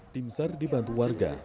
timsar dibantu warga